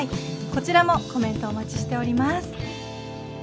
こちらもコメントお待ちしております。